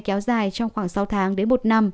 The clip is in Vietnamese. kéo dài trong khoảng sáu tháng đến một năm